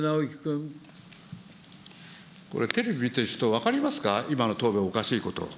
これ、テレビ見てる人、分かりますか、今の答弁、おかしいこと。